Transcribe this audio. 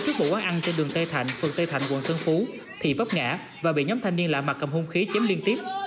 trước một quán ăn trên đường tây thạnh phường tây thạnh quận tân phú thì vấp ngã và bị nhóm thanh niên lạ mặt cầm hung khí chém liên tiếp